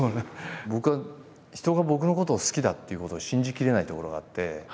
僕は人が僕のことを好きだっていうことを信じきれないところがあって。